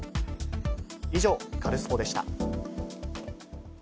以上、カルスポっ！でした。